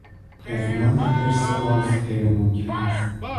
اقناع حرص و آز غیرممکن است.